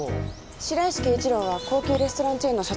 白石圭一郎は高級レストランチェーンの社長です。